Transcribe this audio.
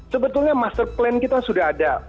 sebetulnya master plan kita sudah ada